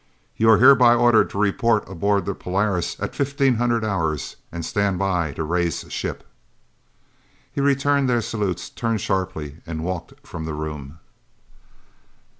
"You are hereby ordered to report aboard the Polaris at fifteen hundred hours and stand by to raise ship!" He returned their salutes, turned sharply and walked from the room.